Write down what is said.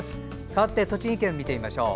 かわって栃木県を見てみましょう。